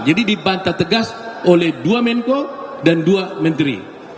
jadi dibantah tegas oleh dua menko dan dua menteri